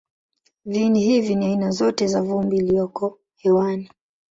Viini hivi ni aina zote za vumbi iliyoko hewani.